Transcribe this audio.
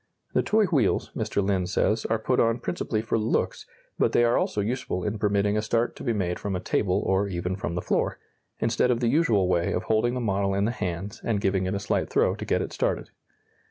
The toy wheels, Mr. Lynn says, are put on principally for "looks" but they are also useful in permitting a start to be made from a table or even from the floor, instead of the usual way of holding the model in the hands and giving it a slight throw to get it started.